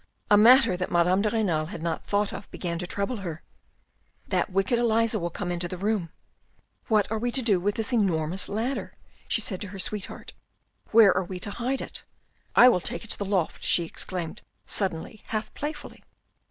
A matter that Madame de Renal had not thought of began to trouble her. "That wicked Elisa will come into the room. What are we to do with this enormous ladder ?" she said to her sweetheart, " where are we to hide it ? I will take it to the loft," she exclaimed suddenly half playfully.